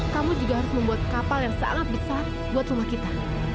kamu juga harus membuat kapal yang sangat besar buat rumah kita